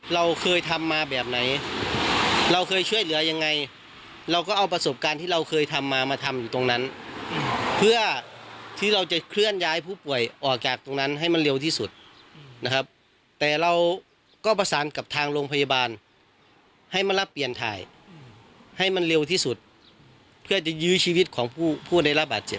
เราเคยทำมาแบบไหนเราเคยช่วยเหลือยังไงเราก็เอาประสบการณ์ที่เราเคยทำมามาทำอยู่ตรงนั้นเพื่อที่เราจะเคลื่อนย้ายผู้ป่วยออกจากตรงนั้นให้มันเร็วที่สุดนะครับแต่เราก็ประสานกับทางโรงพยาบาลให้มารับเปลี่ยนถ่ายให้มันเร็วที่สุดเพื่อจะยื้อชีวิตของผู้ได้รับบาดเจ็บ